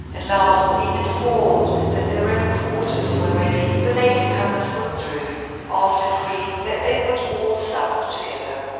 At last, being informed that their own quarters were ready, the later comers withdrew, after agreeing that they would all sup together.